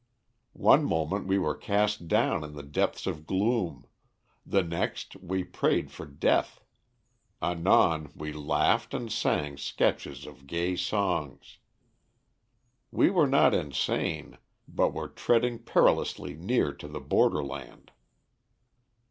One moment we were cast down in the depths of gloom, the next we prayed for death; anon we laughed and sang sketches of gay songs. We were not insane, but were treading perilously near to the borderland.